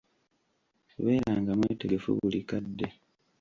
Beeranga mwetegefu buli kadde.